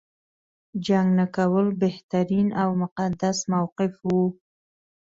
جنګ نه کول بهترین او مقدس موقف و.